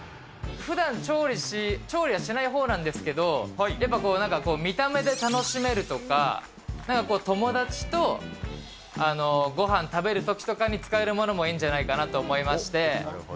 ふだん、調理はしないほうなんですけど、やっぱこう、なんか見た目で楽しめるとか、なんか友達とごはん食べるときとかに使えるものもいいんじゃないかなと思いまして。